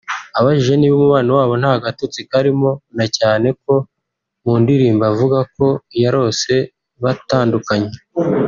Abajijwe niba umubano wabo nta gatotsi karimo na cyane ko mu ndirimbo avuga ko yarose batandukanye